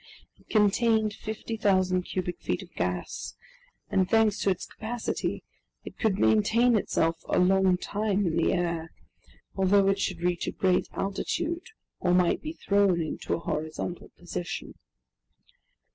It contained 50,000 cubic feet of gas, and, thanks to its capacity, it could maintain itself a long time in the air, although it should reach a great altitude or might be thrown into a horizontal position.